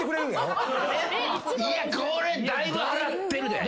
いやこれだいぶ払ってるで。